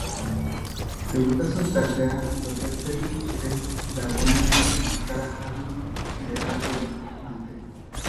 Segurtasun-tartea gordetzerik ez dagoenean, maskara jarri beharko dute.